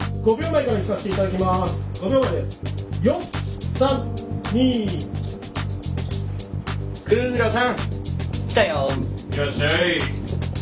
「いらっしゃい」。